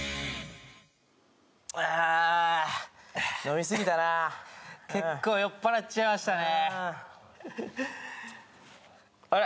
ああ飲み過ぎたな結構酔っ払っちゃいましたねあれ？